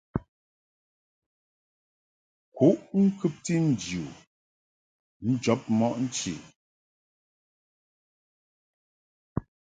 Kuʼ ŋkɨbti nji u njɔb mɔʼ nchi.